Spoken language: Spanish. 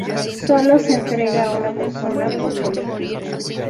Sólo se entrega a una persona por colegio.